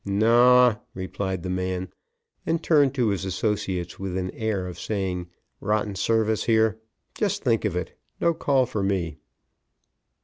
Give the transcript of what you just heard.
"Naw," replied the man, and turned to his associates with an air of saying: "Rotten service here just think of it, no call for me!"